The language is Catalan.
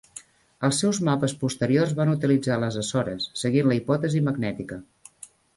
Els seus mapes posteriors van utilitzar les Açores, seguint la hipòtesi magnètica.